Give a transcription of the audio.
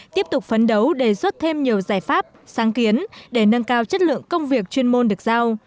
tiếp tục phấn đấu đề xuất thêm nhiều giải pháp sáng kiến để nâng cao chất lượng công việc chuyên môn được giao